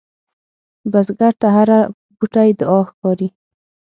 بزګر ته هره بوټۍ دعا ښکاري